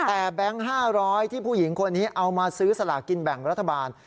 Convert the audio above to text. แต่แบงค์๕๐๐ที่ผู้หญิงคนนี้เอามาซื้อสลากินแบ่งรัฐบาล